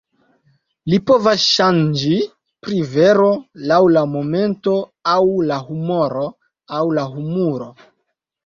Li povas ŝanĝi pri vero laŭ la momento aŭ la humoro, aŭ la humuro!